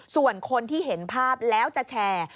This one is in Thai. ส่วนคนที่เห็นภาพแล้วจะแชร์